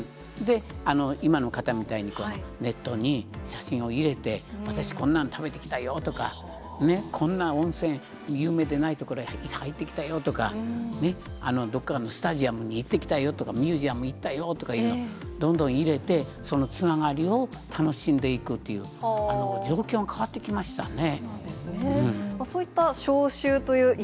今の方みたいにネットに写真を入れて、私、こんなの食べてきたよとか、こんな温泉、有名でない所へ入ってきたよとか、どこかのスタジアムに行ってきたよとか、ミュージアム行ったよとかいうのどんどん入れて、そのつながりを楽しんでいくという、状況が変わってきましたね。